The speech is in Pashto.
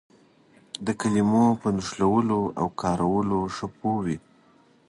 د کلمو په نښلولو او کارولو ښه پوه وي.